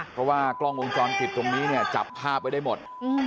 เพราะว่ากล้องวงจรปิดตรงนี้เนี่ยจับภาพไว้ได้หมด